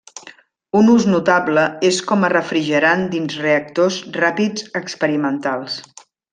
Un ús notable és com a refrigerant dins reactors ràpids experimentals.